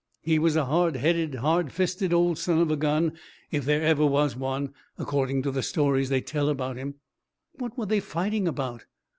He was a hard headed, hard fisted old son of a gun, if there ever was one, according to the stories they tell about him." "What were they fighting about?"